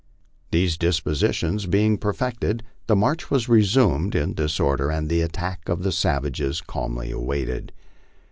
These dispositions being perfected, the march was resumed in this order, and the attack of the savages calmly awaited.